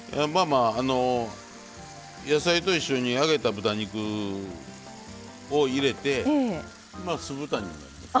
野菜と一緒に揚げた豚肉を入れて酢豚にもなります。